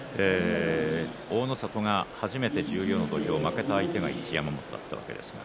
大の里が初めて十両の土俵で負けた相手が一山本だったわけです。